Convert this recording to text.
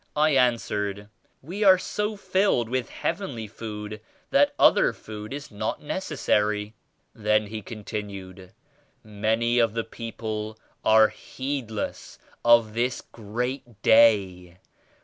I answered, "We are so filled with Heavenly Food that other food is not necessary." Then ht continued, "Many of the people are heedless of this Great Day.